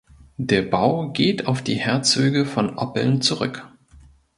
Der Bau geht auf die Herzöge von Oppeln zurück.